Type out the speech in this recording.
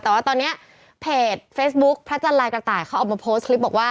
แต่ว่าตอนนี้เพจเฟซบุ๊คพระจันทร์ลายกระต่ายเขาออกมาโพสต์คลิปบอกว่า